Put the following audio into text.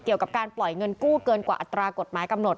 เกี่ยวกับการปล่อยเงินกู้เกินกว่าอัตรากฎหมายกำหนด